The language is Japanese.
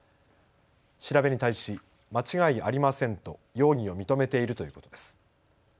調べに対し間違いありませんと容疑を認めているということです。